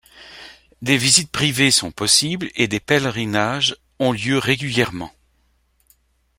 Des visites privés sont possibles et des pèlerinages ont lieu régulièrement.